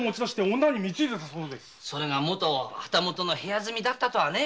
それが元旗本の部屋住みだったと。